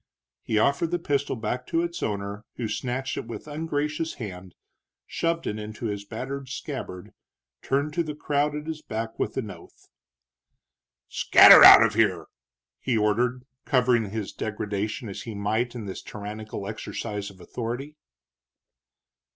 He offered the pistol back to its owner, who snatched it with ungracious hand, shoved it into his battered scabbard, turned to the crowd at his back with an oath. "Scatter out of here!" he ordered, covering his degradation as he might in this tyrannical exercise of authority.